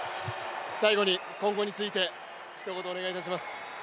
最後に、今後についてひと言お願いします。